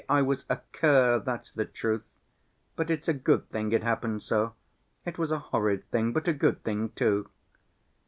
I was a cur, that's the truth.... But it's a good thing it happened so. It was a horrid thing, but a good thing too."